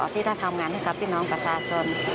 ที่ได้ทำงานให้กับพี่น้องประชาชน